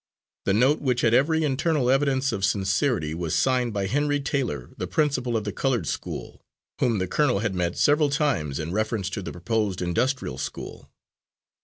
The note, which had every internal evidence of sincerity, was signed by Henry Taylor, the principal of the coloured school, whom the colonel had met several times in reference to the proposed industrial school.